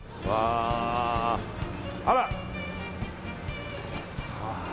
あら。